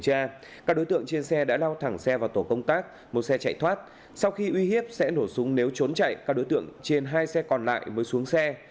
các đối tượng trên xe đã lao thẳng xe vào tổ công tác một xe chạy thoát sau khi uy hiếp sẽ nổ súng nếu trốn chạy các đối tượng trên hai xe còn lại mới xuống xe